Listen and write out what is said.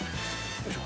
よいしょ。